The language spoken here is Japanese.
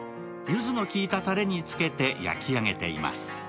ゆずのきいたたれにつけて焼き上げています。